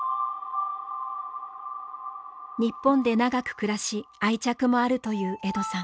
日本で長く暮らし愛着もあるというエドさん。